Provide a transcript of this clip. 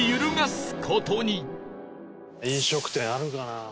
飲食店あるかな？